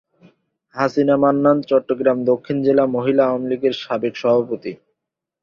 হাসিনা মান্নান চট্টগ্রাম দক্ষিণ জেলা মহিলা আওয়ামীলীগের সাবেক সভাপতি।